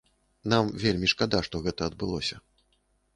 Нам вельмі шкада, што гэта адбылося.